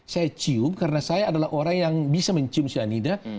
saya cium karena saya adalah orang yang bisa mencium cyanida